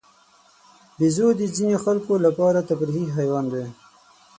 بیزو د ځینو خلکو لپاره تفریحي حیوان دی.